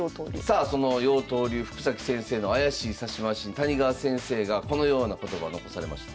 さあその妖刀流福崎先生の怪しい指し回し谷川先生がこのような言葉残されました。